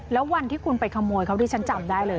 แล้ววันที่คุณไปขโมยเขาดิฉันจำได้เลย